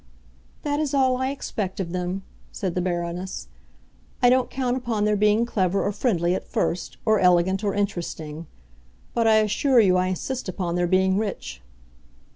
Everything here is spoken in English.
"That is all I expect of them," said the Baroness. "I don't count upon their being clever or friendly—at first—or elegant or interesting. But I assure you I insist upon their being rich."